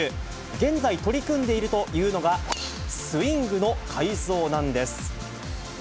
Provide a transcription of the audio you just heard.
現在、取り組んでいるというのが、スイングの改造なんです。